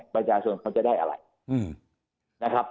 ประชาชนเขาจะได้อะไร